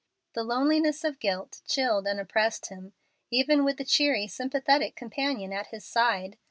The "loneliness of guilt" chilled and oppressed him, even with the cheery, sympathetic companion at his side.